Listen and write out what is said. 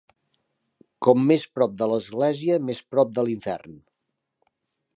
Com més prop de l'església, més prop de l'infern.